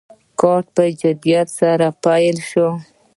کار په جدیت سره پیل شو.